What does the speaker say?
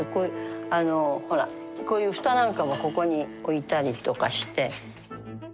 あのほらこういう蓋なんかもここに置いたりとかして。